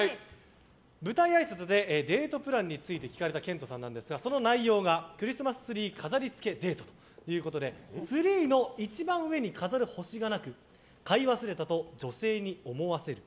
舞台あいさつでデートプランについて聞かれた健人さんなんですがその内容が、クリスマスツリー飾り付けデートということでツリーの一番上に飾る星がなく買い忘れたと女性に思わせる。